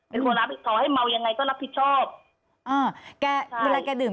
เป็นหัวรับต่อให้เมายังไงก็รับผิดชอบอ่าแกเวลาแกดื่ม